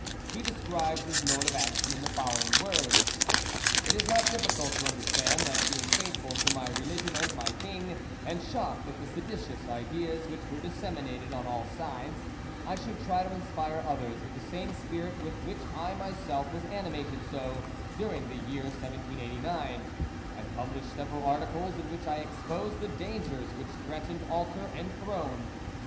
He describes his mode of action in the following words:— It is not difficult to understand that being faithful to my religion and my king, and shocked at the seditious ideas which were disseminated on all sides, I should try to inspire others with the same spirit with which I myself was animated, so, during the year 1789, I published several articles in which I exposed the dangers which threatened altar and throne.